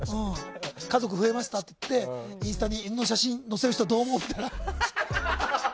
家族増えましたっていってインスタに犬の写真載せる人どう思うみたいな。